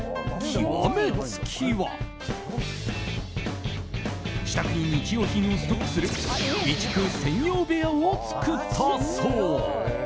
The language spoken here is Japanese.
極め付きは自宅に日用品をストックする備蓄専用部屋を作ったそう！